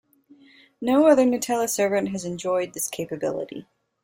No other gnutella servant has enjoyed this capability.